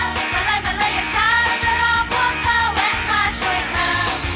มาเลยมาเลยอย่าช้าเราจะรอพวกเธอแวะมาช่วยกัน